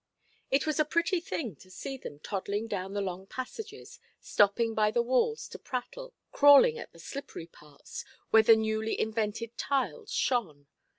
It was a pretty thing to see them toddling down the long passages, stopping by the walls to prattle, crawling at the slippery parts, where the newly–invented tiles shone.